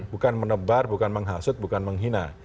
bukan menebar bukan menghasut bukan menghina